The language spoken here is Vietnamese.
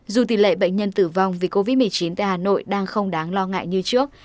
dù tỷ lệ bệnh nhân tử vong vì covid một mươi chín tại hà nội đang không đáng lo ngại như trước